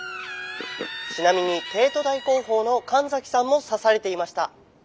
「ちなみに帝都大広報の神崎さんも刺されていました」。